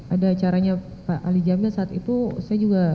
ada acaranya pak ali jamil saat itu saya juga